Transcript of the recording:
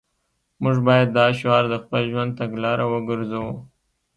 موږ باید دا شعار د خپل ژوند تګلاره وګرځوو